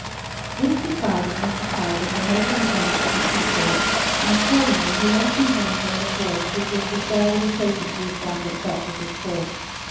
This decided Mr. Talbot on making at once for the seaport; and accordingly he left behind him the horse, which was to serve as a token to his son that such was his course.